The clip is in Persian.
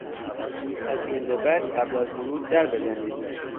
از این به بعد قبل از ورود در بزنید!